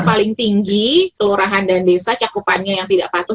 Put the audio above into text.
paling tinggi kelurahan dan desa cakupannya yang tidak patuh